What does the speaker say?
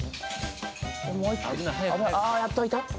あやっと開いた？